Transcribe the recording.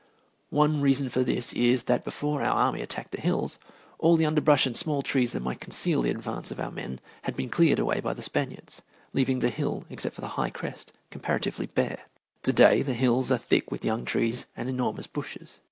One reason for this is that before our army attacked the hills all the underbrush and small trees that might conceal the advance of our men had been cleared away by the Spaniards, leaving the hill, except for the high crest, comparatively bare. To day the hills are thick with young trees and enormous bushes.